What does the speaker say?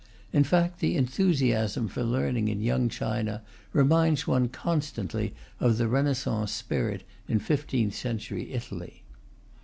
In fact, the enthusiasm for learning in Young China reminds one constantly of the renaissance spirit in fifteenth century Italy.